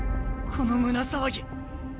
この胸騒ぎ。